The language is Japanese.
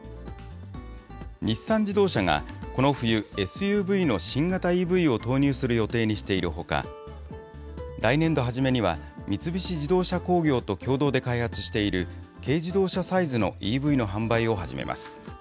日産自動車が、この冬、ＳＵＶの新型ＥＶを投入する予定にしているほか、来年度初めには、三菱自動車工業と共同で開発している軽自動車サイズのＥＶの販売を始めます。